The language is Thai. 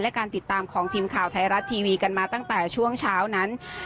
และการติดตามของทีมข่าวไทยรัฐทีวีกันมาตั้งแต่ช่วงเช้านั้น